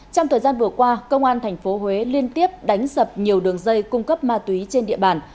trong thời gian vừa qua công an tp huế liên tiếp đánh sập nhiều đường dây cung cấp ma túy trên địa bàn